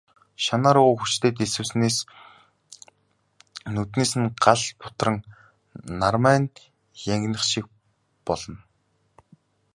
Шанаа руугаа хүчтэй дэлсүүлснээс нүднээс нь гал бутран, нармай нь янгинах шиг болно.